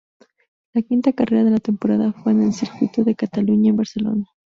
La quinta carrera de la temporada fue en el Circuito de Cataluña en Barcelona.